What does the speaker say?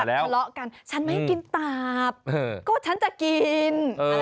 ไม่ต้องแบบทะเลาะกันฉันไม่กินตาบก็ฉันจะกิน